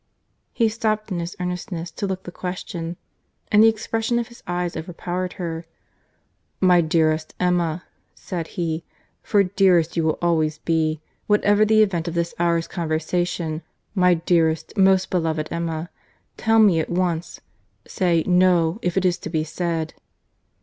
He stopped in his earnestness to look the question, and the expression of his eyes overpowered her. "My dearest Emma," said he, "for dearest you will always be, whatever the event of this hour's conversation, my dearest, most beloved Emma—tell me at once. Say 'No,' if it is to be said."